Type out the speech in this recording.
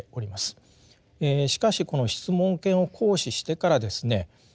しかしこの質問権を行使してからですね